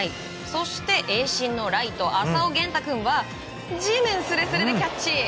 そして盈進のライト朝生弦大君は地面すれすれでキャッチ！